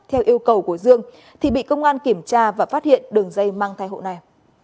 theo yêu cầu của dương thì bị công an kiểm tra và phát hiện đường dây mang thai hộ này